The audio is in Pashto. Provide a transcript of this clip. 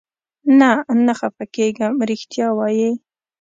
نه، نه خفه کېږم، رښتیا وایې؟